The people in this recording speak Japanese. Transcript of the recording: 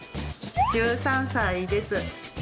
１３歳です。